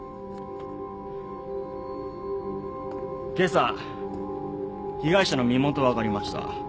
今朝被害者の身元が分かりました。